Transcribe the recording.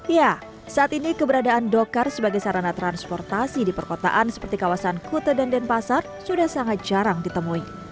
ya saat ini keberadaan dokar sebagai sarana transportasi di perkotaan seperti kawasan kute dan denpasar sudah sangat jarang ditemui